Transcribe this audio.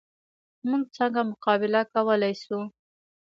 موږ څنګه مقابله کولی شو؟